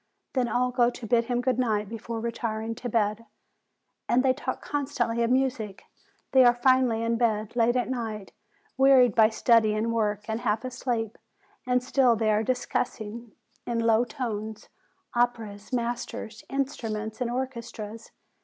Then all go to bid him good night before retiring to bed. And they talk constantly of music. They are finally in bed, late at night, wearied by study and work, and half asleep, and still they are discussing, in a low tone, operas, masters, instruments, and orchestras.